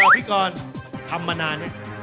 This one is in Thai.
พี่กรทำมานานไหม